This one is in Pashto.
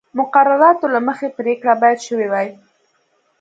مقرراتو له مخې پرېکړه باید شوې وای.